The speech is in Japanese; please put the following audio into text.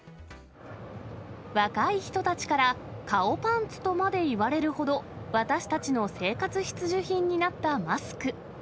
若い人たちから、顔パンツとまでいわれるほど、私たちの生活必需品になったマスク。